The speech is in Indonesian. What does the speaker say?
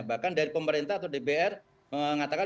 bahkan dari pemerintah atau dpr mengatakan